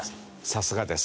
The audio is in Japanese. さすがです。